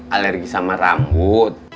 alergi sama rambut